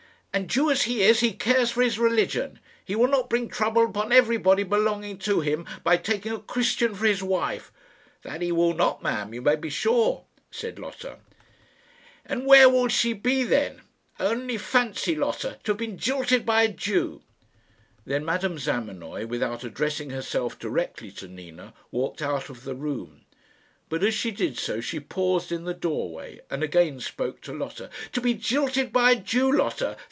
"And, Jew as he is, he cares for his religion. He will not bring trouble upon everybody belonging to him by taking a Christian for his wife." "That he will not, ma'am, you may be sure," said Lotta. "And where will she be then? Only fancy, Lotta to have been jilted by a Jew!" Then Madame Zamenoy, without addressing herself directly to Nina, walked out of the room; but as she did so she paused in the doorway, and again spoke to Lotta. "To be jilted by a Jew, Lotta!